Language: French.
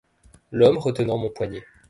L’homme retenant mon poignet.